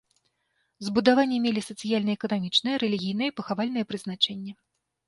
Збудаванні мелі сацыяльна-эканамічнае, рэлігійнае і пахавальнае прызначэнне.